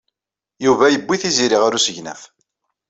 Yuba yewwi Tiziri ɣer usegnaf?